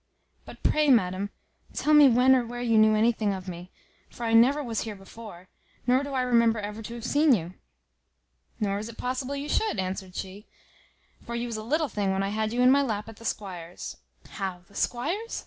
"But pray, madam, tell me when or where you knew anything of me; for I never was here before, nor do I remember ever to have seen you." "Nor is it possible you should," answered she; "for you was a little thing when I had you in my lap at the squire's." "How, the squire's?"